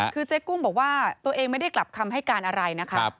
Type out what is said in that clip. คือเจ๊กุ้งบอกว่าตัวเองไม่ได้กลับคำให้การอะไรนะคะ